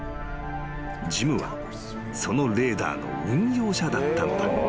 ［ジムはそのレーダーの運用者だったのだ］